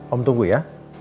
om tunggu ya